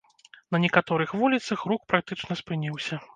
На некаторых вуліцах рух практычна спыніўся.